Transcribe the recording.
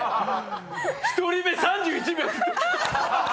１人目３１秒。